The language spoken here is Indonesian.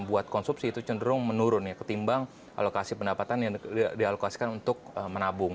buat konsumsi itu cenderung menurun ya ketimbang alokasi pendapatan yang dialokasikan untuk menabung